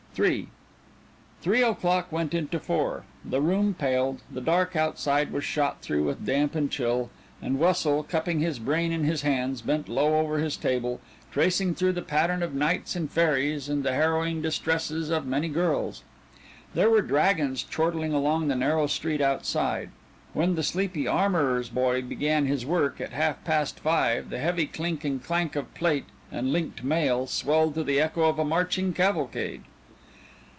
III Three o'clock went into four. The room paled, the dark outside was shot through with damp and chill, and Wessel, cupping his brain in his hands, bent low over his table, tracing through the pattern of knights and fairies and the harrowing distresses of many girls. There were dragons chortling along the narrow street outside; when the sleepy armorer's boy began his work at half past five the heavy clink and clank of plate and linked mail swelled to the echo of a marching cavalcade.